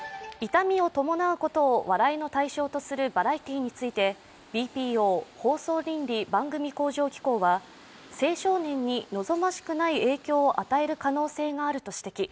痛みを伴うことを笑いの対象にするバラエティーについてＢＰＯ＝放送倫理・番組向上機構は青少年に望ましくない影響を与える可能性があると指摘。